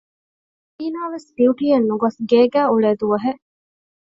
ޒީނާ ވެސް ޑިއުޓީއަށް ނުގޮސް ގޭގައި އުޅޭ ދުވަހެއް